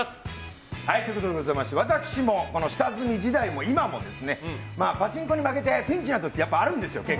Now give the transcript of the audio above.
私も下積み時代も今もパチンコに負けてピンチな時って結構、あるんですよ。